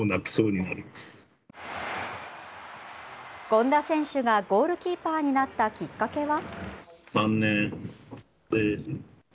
権田選手がゴールキーパーになったきっかけは？